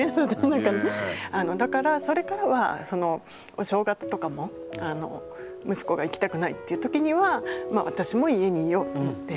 だからそれからはお正月とかも息子が行きたくないっていう時には私も家にいようと思って。